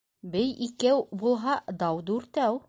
Бей икәү булһа, дау дүртәү.